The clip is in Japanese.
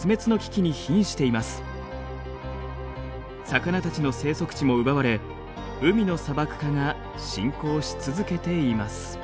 魚たちの生息地も奪われ海の砂漠化が進行し続けています。